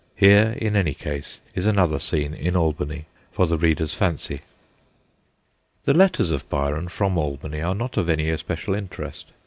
Here, in any case, is another scene in Albany for the reader's, fancy. The letters of Byron from Albany are not of any especial interest.